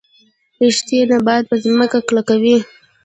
ریښې نبات په ځمکه کلکوي